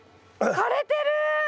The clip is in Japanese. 枯れてる！